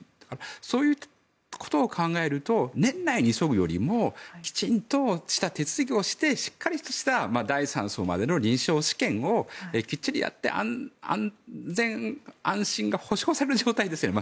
そういうことを考えると年内に急ぐよりもきちんとした手続きをしてしっかりした第３相までの臨床試験をきっちりやって安全安心が保証される状態ですね。